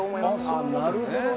なるほどね。